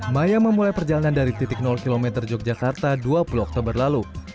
maya memulai perjalanan dari titik km yogyakarta dua puluh oktober lalu